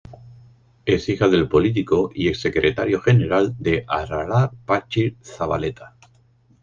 Es hija del político y ex secretario general de Aralar Patxi Zabaleta.